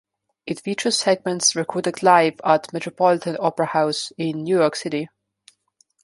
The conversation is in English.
It features segments recorded live at Metropolitan Opera House in New York City.